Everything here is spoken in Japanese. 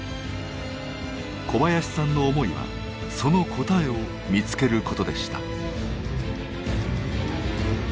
小林さんの思いはその答えを見つけることでした。